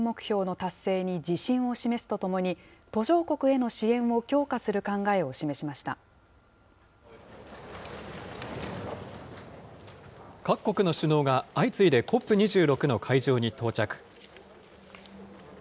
各国の首脳が相次いでＣＯＰ２６の会場に到着。